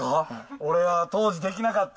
これは、当時できなかった。